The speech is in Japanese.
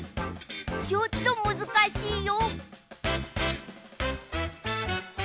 ちょっとむずかしいよ。